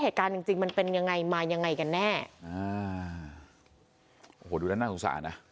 เหตุการณ์จริงจริงมันเป็นยังไงมายังไงกันแน่อ่าโอ้โหดูแล้วน่าสงสารนะ